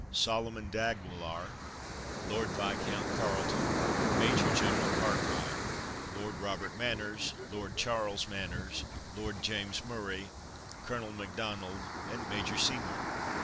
Soloman D'Aguilar, Lord Viscount Carleton, Major General Cartwright, Lord Robert Manners, Lord Charles Manners, Lord James Murray, Colonel M'Donald, and Major Seymour.